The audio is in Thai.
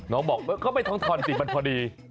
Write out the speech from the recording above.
น้องบอกเขาไม่ต้องทอนสิมันพอดี